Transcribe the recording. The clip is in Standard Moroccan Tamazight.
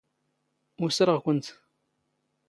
ⵓⵙⵔⵖ ⴽⵯⵏⵜ.